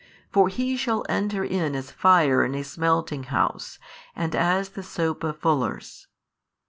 for He shall enter in as fire in a smelting house and as the sope of fullers.